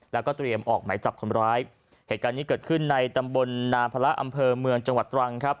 แล้วก็เตรียมออกหมายจับคนร้ายเหตุการณ์นี้เกิดขึ้นในตำบลนาพระอำเภอเมืองจังหวัดตรังครับ